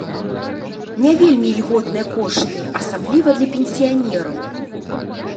Не вельмі ільготныя кошты, асабліва для пенсіянераў.